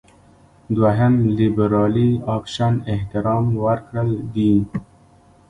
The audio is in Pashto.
دوهم لېبرالي اپشن احترام ورکړل دي.